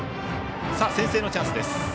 先制のチャンスです。